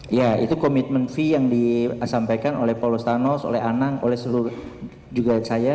iya itu komitmen fee yang disampaikan oleh paulus thanos oleh anang oleh seluruh juga saya